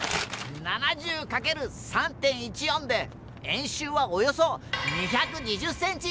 ７０かける３．１４で円周はおよそ２２０ｃｍ！